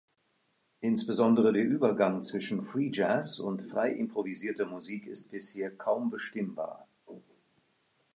Insbesondere der Übergang zwischen Free Jazz und frei improvisierter Musik ist bisher kaum bestimmbar.